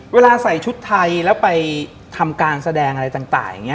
เวลาใส่ชุดไทยแล้วไปทำการแสดงอะไรต่างอย่างนี้